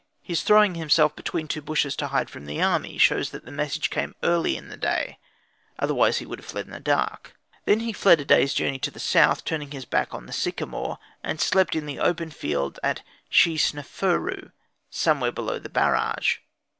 His throwing himself between two bushes to hide from the army shows that the message came early in the day, otherwise he would have fled in the dark. He then fled a day's journey to the south, turning his back on the sycamore, and slept in the open field at Shi Seneferu somewhere below the Barrage.